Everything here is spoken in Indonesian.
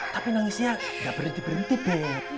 tapi nangisnya nggak berhenti berhenti bu